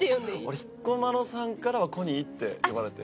俺彦摩呂さんからはコニーって呼ばれて。